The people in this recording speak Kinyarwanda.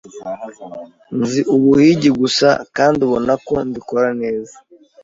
nzi ubuhigi gusa kandi ubona ko mbikora neza